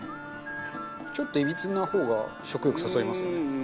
ちょっと、いびつな方が食欲そそりますよね。